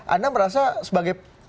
anda merasa sebagai